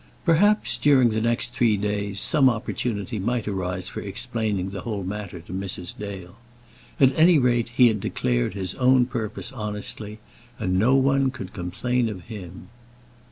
Perhaps, during the next three days, some opportunity might arise for explaining the whole matter to Mrs. Dale. At any rate, he had declared his own purpose honestly, and no one could complain of him.